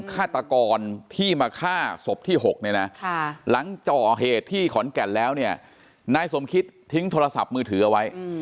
ฆาตกรที่มาฆ่าศพที่๖หลังจอเหตุที่ขอนแกะแล้วนายสมคิตทิ้งโทรศัพท์มือถือเอาไว้